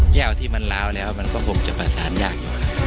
แก้วที่มันล้าวแล้วมันก็คงจะประสานยากอยู่